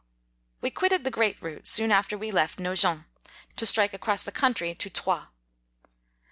20 We quitted the great route soon after we had left Nogent, to strike across the country to Troyes.